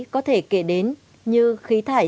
có thể kể đến như khí thải